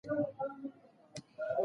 نادان وخت ضايع کوي